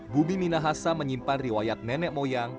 bumi minahasa menyimpan riwayat nenek moyang